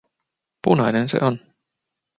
Punainen se on.